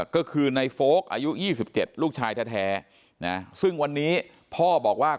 ก็คือในโฟลกอายุ๒๗ลูกชายแท้ซึ่งวันนี้พ่อบอกว่า